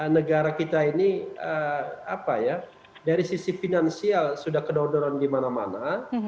negara kita ini apa ya dari sisi finansial sudah kedodoran di mana mana